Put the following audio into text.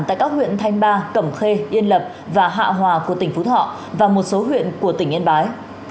tại các huyện thanh ba cẩm khê yên lập và hạ hòa của tỉnh phú thọ và một số huyện của tỉnh yên bái